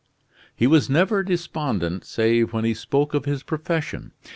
He was never despondent save when he spoke of his profession.